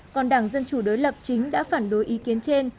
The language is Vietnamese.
còn đảng dân chủ đối lập chính đã phản đối ý kiến trên